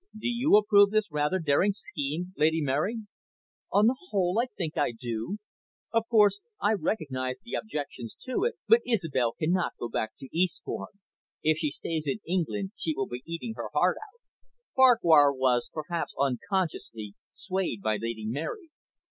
"Do you approve this rather daring scheme, Lady Mary?" "On the whole, I think I do. Of course, I recognise the objections to it. But Isobel cannot go back to Eastbourne. If she stays in England she will be eating her heart out." Farquhar was, perhaps unconsciously, swayed by Lady Mary.